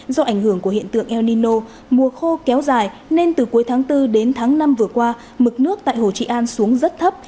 do ảnh hưởng của hiện tượng el nino mùa khô kéo dài nên từ cuối tháng bốn đến tháng năm vừa qua mực nước tại hồ trị an xuống rất thấp